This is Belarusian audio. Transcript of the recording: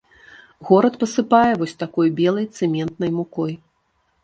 Горад пасыпае вось такой белай цэментнай мукой.